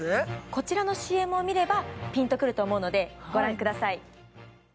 こちらのＣＭを見ればピンとくると思うのでご覧ください